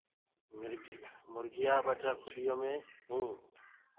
موُرگيآ ڀچآ کُڏيو مي هينٚ۔